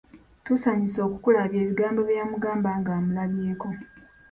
“Tusanyuse okukulaba” bye bigambo bye yamugamba nga amulabyeko.